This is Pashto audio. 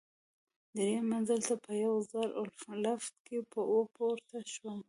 درېیم منزل ته په یوه زړه لفټ کې ورپورته شوم.